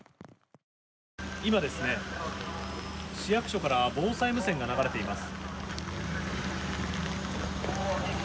今ですね、市役所から防災無線が流れています。